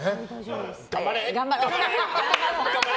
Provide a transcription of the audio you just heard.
頑張れ！